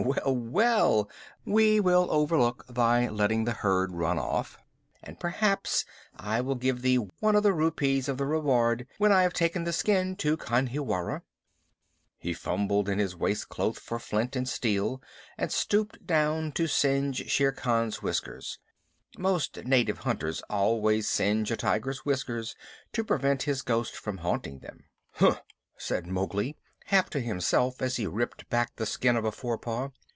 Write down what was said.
Well, well, we will overlook thy letting the herd run off, and perhaps I will give thee one of the rupees of the reward when I have taken the skin to Khanhiwara." He fumbled in his waist cloth for flint and steel, and stooped down to singe Shere Khan's whiskers. Most native hunters always singe a tiger's whiskers to prevent his ghost from haunting them. "Hum!" said Mowgli, half to himself as he ripped back the skin of a forepaw.